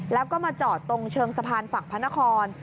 แล้วก็มาจอดตรงเชิงสะพานฝั่งพระนคร